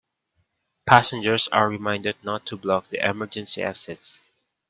Passengers are reminded not to block the emergency exits.